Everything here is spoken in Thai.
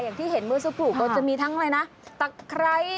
อย่างที่เห็นเมื่อสัปดาห์ก็จะมีทั้งอะไรนะ